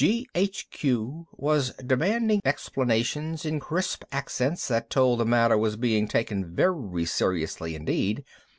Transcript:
G.H.Q. was demanding explanations in crisp accents that told the matter was being taken very seriously indeed.